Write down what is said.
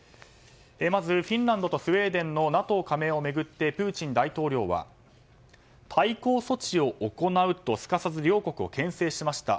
まずフィンランドとスウェーデンのＮＡＴＯ加盟を巡ってプーチン大統領は対抗措置を行うとすかさず両国を牽制しました。